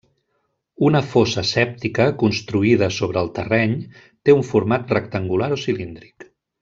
Una fossa sèptica construïda sobre el terreny té un format rectangular o cilíndric.